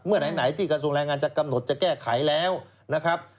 ไหนที่กระทรวงแรงงานจะกำหนดจะแก้ไขแล้วนะครับ